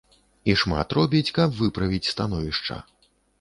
І шмат робіць, каб выправіць становішча.